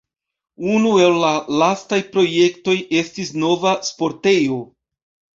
Unu el la lastaj projektoj estis nova sportejo.